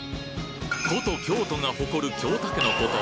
古都京都が誇る京たけのこと